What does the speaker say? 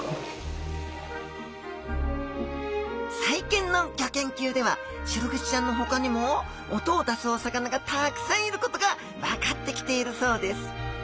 最近のギョ研究ではシログチちゃんのほかにも音を出すお魚がたくさんいることが分かってきているそうです。